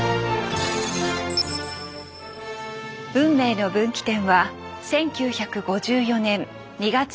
運命の分岐点は１９５４年２月１９日。